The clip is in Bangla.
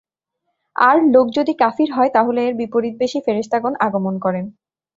আর লোক যদি কাফির হয় তাহলে এর বিপরীতবেশী ফেরেশতাগণ আগমন করেন।